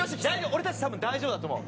俺たち多分大丈夫だと思う。